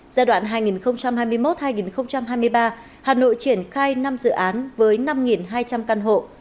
giai đoạn hai nghìn hai mươi một hai nghìn hai mươi ba hà nội triển khai năm dự án với năm hai trăm linh căn hộ